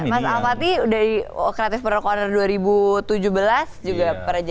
mas alfati dari creative proner dua ribu tujuh belas juga pernah jadi